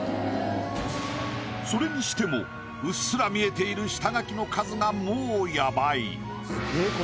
それにしてもうっすら見えている下描きの数がもうヤバい。